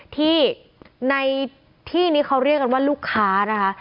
ที่ในที่นี้เขาเรียกกันว่าลูกค้านะคะ